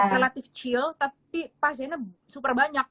relatif chill tapi pasiennya super banyak